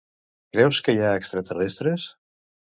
Creus que hi ha extraterrestres?